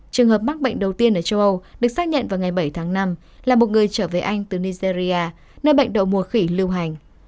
trường hợp mắc bệnh đầu tiên ở châu âu được xác nhận vào ngày bảy tháng năm là một người trở về anh từ nigeria nơi bệnh đậu mùa khỉ lưu hành